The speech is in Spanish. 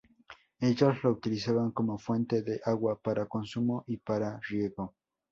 Ellos lo utilizaban como fuente de agua para consumo y para riego.